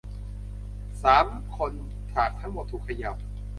สามคนจากทั้งหมดถูกเขย่า